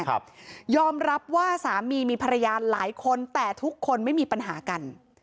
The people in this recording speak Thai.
ยอมรับว่าสามีมีภรรยาหลายคนแต่ทุกคนไม่มีปัญหากัน